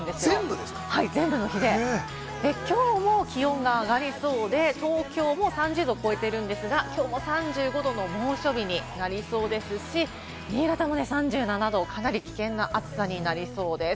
きょうも気温が上がりそうで、東京も３０度を超えているんですが、きょうも３５度の猛暑日になりそうですし、新潟も３７度、かなり危険な暑さになりそうです。